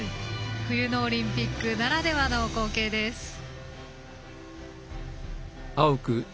冬のオリンピックならではの光景です。